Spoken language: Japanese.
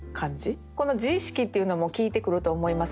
この自意識っていうのも効いてくると思いますね。